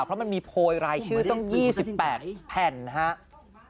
เพราะมันมีโพยรายชื่อตั้ง๒๘แผ่นครับ